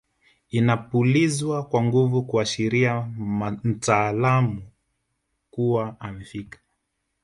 Inapulizwa kwa nguvu kuashiria mtaalamu kuwa amefika